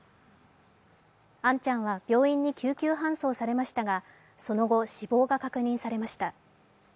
杏ちゃんは、病院に救急搬送されましたがその死亡が確認されました。